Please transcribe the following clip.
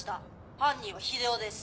犯人は英雄です。